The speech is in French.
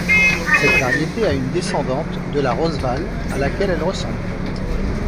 Cette variété est une descendante de la roseval, à laquelle elle ressemble.